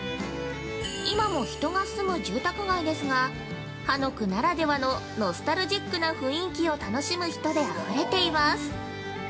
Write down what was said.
今も人が住む住宅街ですが、韓屋ならではのノスタルジックな雰囲気を楽しむ人であふれています。